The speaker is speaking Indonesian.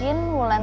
ini tuh dia tolong